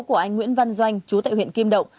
của anh nguyễn văn doanh chú tại huyện kim động